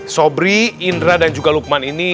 sobri indra dan juga lukman ini